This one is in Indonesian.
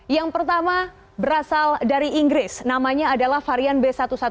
yang pertama berasal dari inggris namanya adalah varian b satu satu